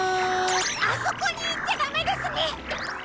あそこにいっちゃダメですね！